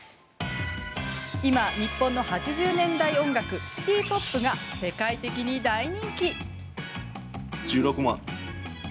今、日本の８０年代音楽シティ・ポップが世界的に大人気。